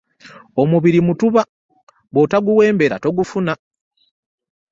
Omubiri mutuba, bw'otaguwembera togufuna.